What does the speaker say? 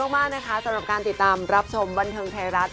มากนะคะสำหรับการติดตามรับชมบันเทิงไทยรัฐ